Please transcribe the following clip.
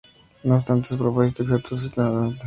No obstante, su propósito exacto es objeto de debate.